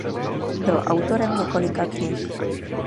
Byl autorem několika knih.